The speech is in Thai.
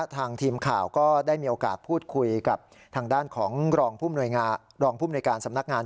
ทางทีมข่าวก็ได้มีโอกาสพูดคุยกับทางด้านของรองภูมิในการสำนักงาน